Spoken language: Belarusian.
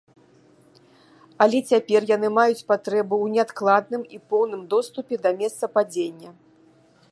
Але цяпер яны маюць патрэбу ў неадкладным і поўным доступе да месца падзення.